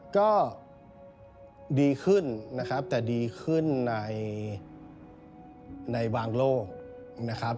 ก็ดีขึ้นนะครับแต่ดีขึ้นในบางโลกนะครับ